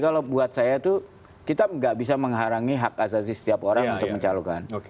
kalau buat saya itu kita nggak bisa menghalangi hak asasi setiap orang untuk mencalonkan